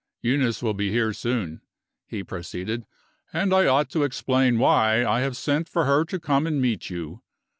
"Eunice will be here soon," he proceeded, "and I ought to explain why I have sent for her to come and meet you.